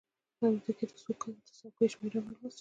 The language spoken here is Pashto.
د الوتکې د څوکیو شمېره مې لوستله.